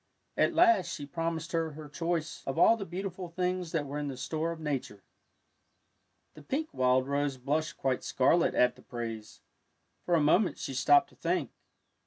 At last she promised her her choice of all the beautiful things that were in the store of Nature. The pink wild rose blushed quite scarlet at the praise. For a moment she stopped to think.